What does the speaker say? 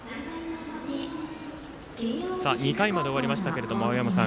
２回まで終わりましたが青山さん